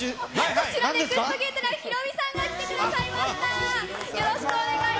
こちら、ＮＥＸＴゲートにヒロミさんが来てくださいました。